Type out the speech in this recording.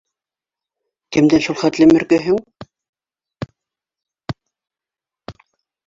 Кемдән шул хәтлем өркәһең.